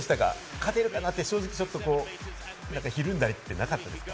勝てるかなと正直、ひるんだりはなかったんですか？